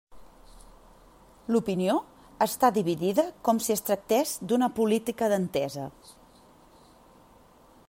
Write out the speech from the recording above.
L'opinió està dividida com si es tractés d'una política d'entesa.